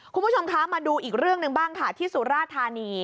คุณผู้ชมคะมาดูอีกเรื่องหนึ่งบ้างค่ะที่สุราธานี